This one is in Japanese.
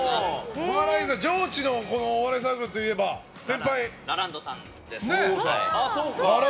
上智のお笑いサークルといえばラランドさんです。